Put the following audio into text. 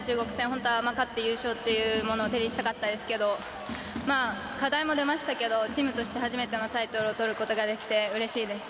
本当は勝って優勝というものを手にしたかったんですけど課題も出ましたけどチームとして初めてのタイトルをとることができてうれしいです。